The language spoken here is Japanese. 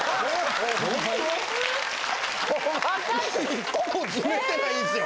一個も詰めてないんすよ。